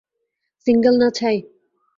Single না ছাই!